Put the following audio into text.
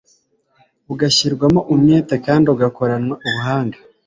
ugashyirwamo umwete kandi ugakoranwa ubuhanga